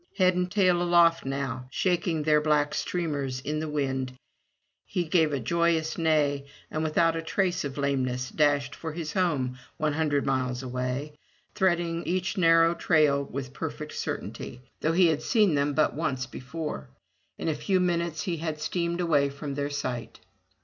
Head and tail aloft now, shaking their black streamers in the wind, he gave a joyous neigh, and, without a trace of lameness, dashed for his home one hundred miles away, threading each narrow trail with perfect certainty, though he had seen them but 222 FROM THE TOWER WINDOW once before. In a few minutes he had steamed away from their sight.